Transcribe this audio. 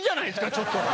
ちょっと。